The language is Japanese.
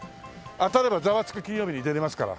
当たれば『ザワつく！金曜日』に出れますから。